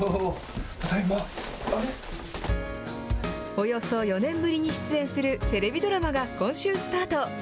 およそ４年ぶりに出演するテレビドラマが今週、スタート。